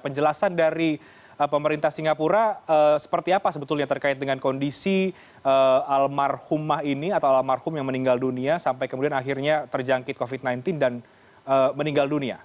penjelasan dari pemerintah singapura seperti apa sebetulnya terkait dengan kondisi almarhumah ini atau almarhum yang meninggal dunia sampai kemudian akhirnya terjangkit covid sembilan belas dan meninggal dunia